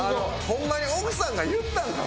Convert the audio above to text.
ホンマに奥さんが言ったんか？